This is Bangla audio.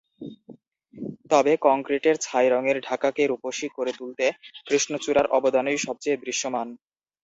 তবে কংক্রিটের ছাই রঙের ঢাকাকে রূপসী করে তুলতে কৃষ্ণচূড়ার অবদানই সবচেয়ে দৃশ্যমান।